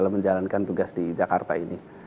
menjalankan tugas di jakarta ini